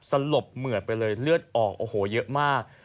สลบเหมือดไปเลยเลือดออกโอ้โหเยอะมาก